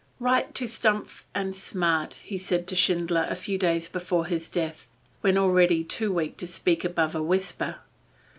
"Write to Stumpf and Smart," he said to Schindler a few days before his death, when already too weak to speak above a whisper.